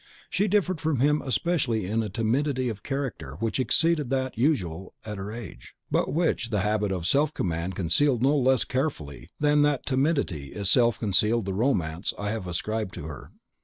She differed from him especially in a timidity of character which exceeded that usual at her age, but which the habit of self command concealed no less carefully than that timidity itself concealed the romance I have ascribed to her.